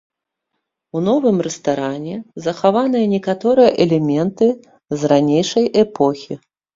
У новым рэстаране захаваныя некаторыя элементы з ранейшай эпохі.